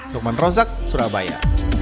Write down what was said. dokman rozak surabaya